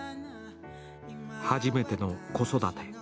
初めての子育て。